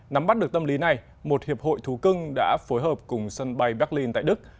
nắm bắt được tâm lý này một hiệp hội thú cưng đã phối hợp cùng sân bay berlin tại đức